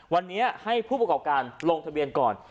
วันนี้ให้ผู้ประกอบการลงทะเบียนก่อน